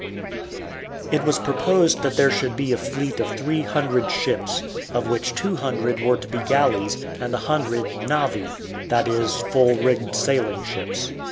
It was proposed that there should be a fleet of three hundred ships, of which two hundred were to be galleys and a hundred navi, that is full rigged sailing ships.